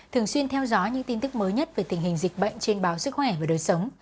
thường xuyên theo dõi những tin tức mới nhất về tình hình dịch bệnh trên báo sức khỏe và đời sống